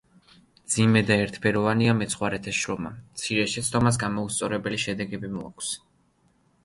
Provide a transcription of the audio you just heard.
მძიმე და ერთფეროვანია მეცხვარეთა შრომა, მცირე შეცდომას გამოუსწორებელი შედეგები მოაქვს.